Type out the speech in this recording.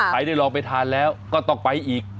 ได้ลองไปทานแล้วก็ต้องไปอีก